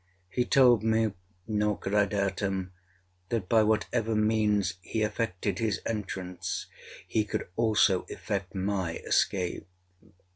He told me, nor could I doubt him, that, by whatever means he effected his entrance, he could also effect my escape.